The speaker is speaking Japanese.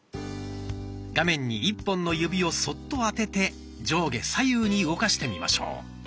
画面に１本の指をそっと当てて上下左右に動かしてみましょう。